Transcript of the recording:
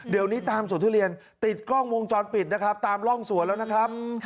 เดี๋ยวนี้ตามสวนทุเรียนติดกล้องวงจรปิดนะครับตามร่องสวนแล้วนะครับ